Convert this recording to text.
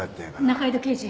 仲井戸刑事。